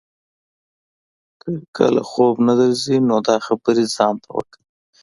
که کله خوب نه درځي نو دا خبرې ځان ته وکړه.